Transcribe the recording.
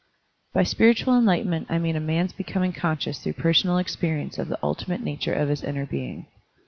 By spiritual enlightenment I mean a man's becoming conscious through personal experience of the ultimate nature of his inner being.